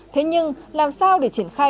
thế nhưng làm sao để triển khai